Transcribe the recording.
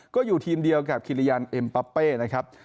ก็อยู่ทีมเดียวกับคิริยันเอ็มปะเป้นะครับ